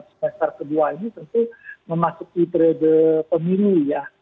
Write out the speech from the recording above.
semester kedua ini tentu memasuki trade pemilih ya